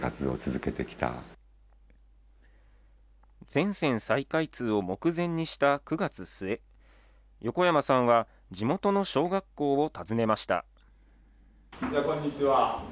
全線再開通を目前にした９月末、横山さんは地元の小学校を訪ねました。